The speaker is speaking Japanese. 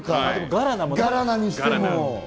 ガラナにしても。